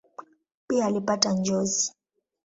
Pia alipata njozi.